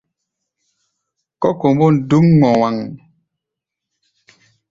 Kɔ́ kombôn dúk ŋɔwaŋ.